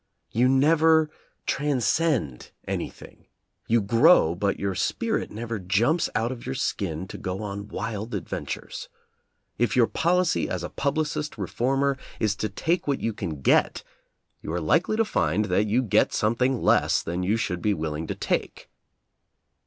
You never transcend anything. You grow, but your spirit never jumps out of your skin to go on wild adventures. If your policy as a publicist reformer is to take what you can get, you are likely to find that you get something less than you should be willing to take.